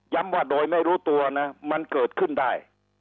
ว่าโดยไม่รู้ตัวนะมันเกิดขึ้นได้